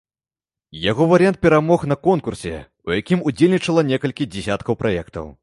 Яго варыянт перамог на конкурсе, у якім удзельнічала некалькі дзясяткаў праектаў.